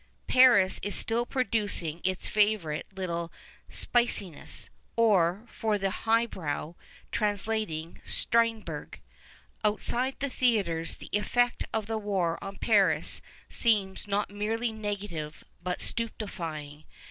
Paris is still producing its favourite little " spicincsses " or, for the high brows, translating Strindbcrg. (Outside the theatre the effect of the war on Paris seems not merely negative but stupefying.